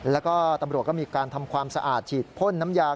แล้วก็ตำรวจก็มีการทำความสะอาดฉีดพ่นน้ำยา